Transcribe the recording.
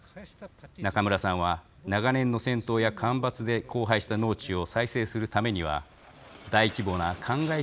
中村さんは長年の戦闘や干ばつで荒廃した農地を再生するためには大規模なかんがい施設が必要だと考え